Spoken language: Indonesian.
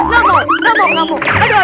gak mau gak mau